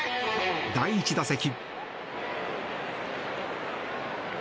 第１打席。